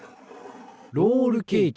ロールケーキ。